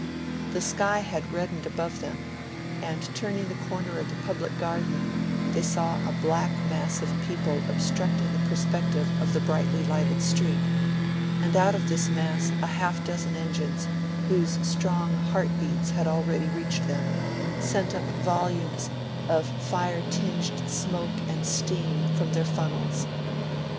The sky had reddened above them, and turning the corner at the Public Garden, they saw a black mass of people obstructing the perspective of the brightly lighted street, and out of this mass a half dozen engines, whose strong heart beats had already reached them, sent up volumes of fire tinged smoke and steam from their funnels.